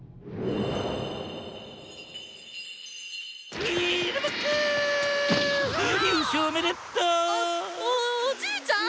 おっおじいちゃん！